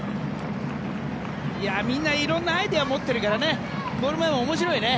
みんな色んなアイデアを持ってるからゴール前も面白いね。